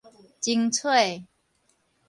精髓